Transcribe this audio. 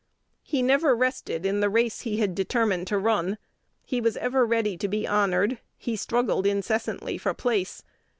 He never rested in the race he had determined to run; he was ever ready to be honored; he struggled incessantly for place.